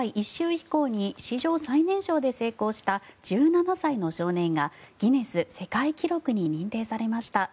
飛行に史上最年少で成功した１７歳の少年がギネス世界記録に認定されました。